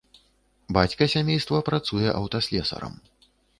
Бацька сямейства працуе аўтаслесарам.